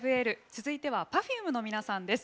続いてはＰｅｒｆｕｍｅの皆さんです。